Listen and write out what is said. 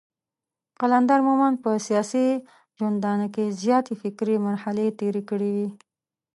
قلندر مومند په سياسي ژوندانه کې زياتې فکري مرحلې تېرې کړې وې.